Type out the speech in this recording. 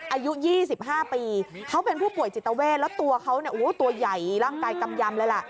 อายุ๒๕ปีเขาเป็นผู้ป่วยจิตเวทแล้วตัวเขาตัวใหญ่ร่างกายกำยำเลยล่ะ